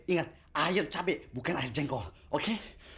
ingat air cabai bukan air jengkol oke